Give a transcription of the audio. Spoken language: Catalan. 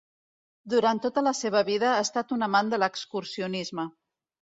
Durant tota la seva vida ha estat un amant de l'excursionisme.